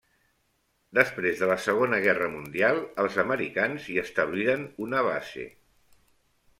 Després de la Segona Guerra Mundial els americans hi establiren una base.